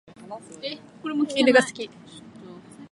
犬が好き。